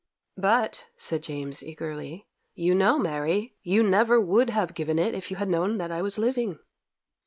'But,' said James, eagerly, 'you know, Mary, you never would have given it if you had known that I was living.